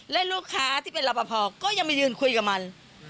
และลูกค้าที่เป็นรอปภก็ยังมายืนคุยกับมัน